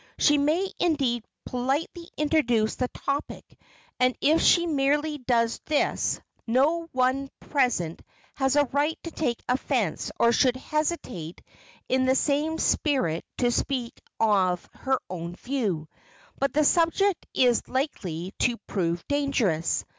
She may indeed politely introduce the topic and if she merely does this, no one present has a right to take offense or should hesitate in the same spirit to speak of her own view. But the subject is likely to prove dangerous.